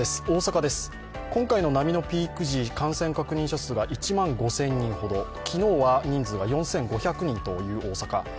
大阪です、今回の波のピーク時、感染確認者数が１万５０００人ほど昨日は人数が４５００人という大阪。